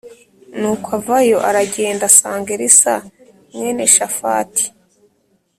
Nuko avayo, aragenda asanga Elisa mwene Shafati